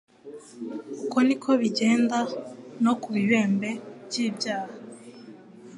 Uko niko bigenda no ku bibembe by'ibyaha,